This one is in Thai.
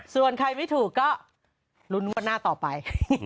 ส่วนใครไม่ถูกก็ลุ้นงวดหน้าต่อไป